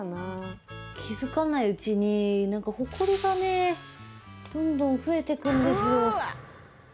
気づかないうちになんかホコリがねどんどん増えていくんですよ。